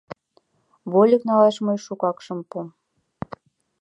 Вольык налаш мый шукак шым пу.